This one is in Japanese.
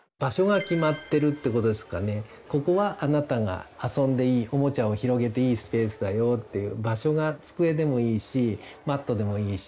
「ここはあなたが遊んでいいおもちゃを広げていいスペースだよ」っていう場所が机でもいいしマットでもいいし。